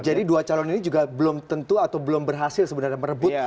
jadi dua calon ini juga belum tentu atau belum berhasil sebenarnya merebut